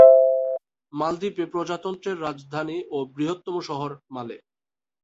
মালদ্বীপে প্রজাতন্ত্রের রাজধানী এবং বৃহত্তম শহর মালে।